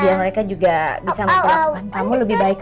biar mereka juga bisa mau melakukan kamu lebih baik